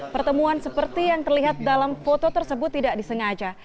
pertemuan seperti yang terlihat dalam foto tersebut tidak disengaja